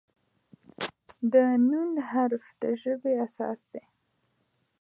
د "ن" حرف د ژبې اساس دی.